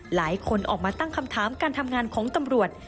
หลายคนออกมาตั้งคำถามการทำงานของตำรวจ